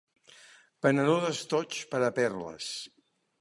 Venedor d'estoigs per a perles.